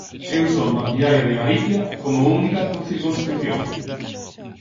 Eu son partidario de Galicia como única circunscrición.